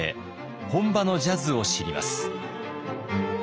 本場のジャズを知ります。